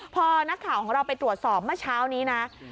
พอนักข่าวของเราไปตรวจสอบเมื่อเช้านี้นะ